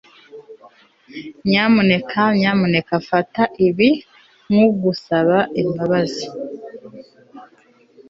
nyamuneka nyamuneka fata ibi nkugusaba imbabazi